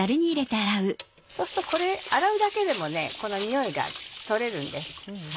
そうするとこれ洗うだけでもこの臭いが取れるんです。